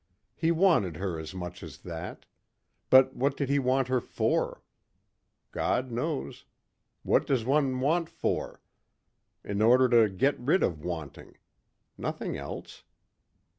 He wanted her as much as that. But what did he want her for? God knows. What does one want for? In order to get rid of wanting. Nothing else.